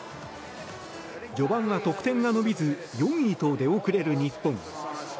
序盤は得点が伸びず４位と出遅れる日本。